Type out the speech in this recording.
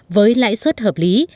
với lãi suất hợp lý